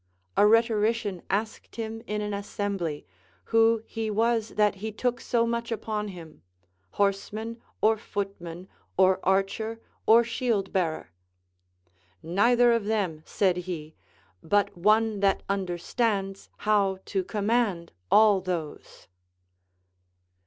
A rhetorician asked him in an assembly, who he was that he took so much upon him, — horseman, or footman, or archer, or shield bearer. Neither of them, said he, but one that understands how to command all those.